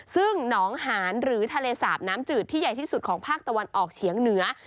ซึ่งหนองหานหรือทะเลสาบน้ำจืดที่ใหญ่ที่สุดของภาคตะวันออกเฉียงเหนือ